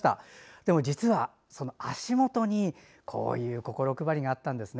でも、実はその足元にこういう心配りがあったんですね。